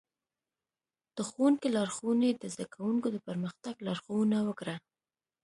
د ښوونکي لارښوونې د زده کوونکو د پرمختګ لارښوونه وکړه.